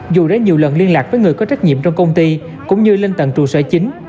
dù đã nhiều lần liên lạc với người có trách nhiệm trong công ty cũng như lên tầng trụ sở chính